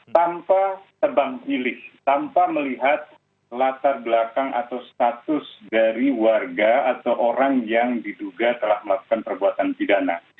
tanpa tebang pilih tanpa melihat latar belakang atau status dari warga atau orang yang diduga telah melakukan perbuatan pidana